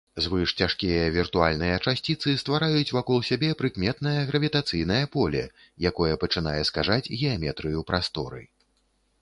Звышцяжкія віртуальныя часціцы ствараюць вакол сябе прыкметнае гравітацыйнае поле, якое пачынае скажаць геаметрыю прасторы.